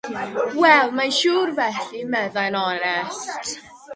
“Wel, mae'n siŵr felly,” meddai'n onest.